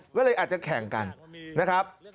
ก็เลยอาจจะแข่งกันนะครับ